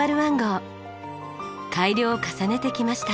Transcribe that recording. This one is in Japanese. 改良を重ねてきました。